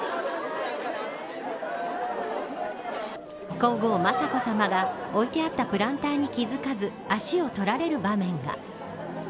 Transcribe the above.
皇后雅子さまが置いてあったプランターに気付かず足を取られる場面が。